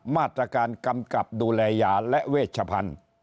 มาตรการกำกับดูแลยาและเวชพันธุ์